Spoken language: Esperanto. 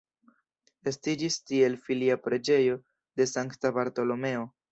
Estiĝis tiel filia preĝejo de sankta Bartolomeo.